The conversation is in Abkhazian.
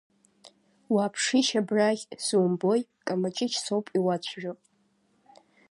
Уааԥшишь абрахь, сумбои, Камаҷыҷ соуп иуацәажәо!